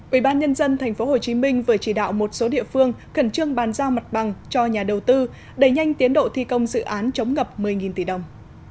ubnd tp hcm vừa chỉ đạo một số địa phương khẩn trương bàn giao mặt bằng cho nhà đầu tư đẩy nhanh tiến độ thi công dự án chống ngập một mươi tỷ đồng